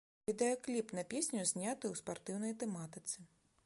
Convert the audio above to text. Відэакліп на песню зняты ў спартыўнай тэматыцы.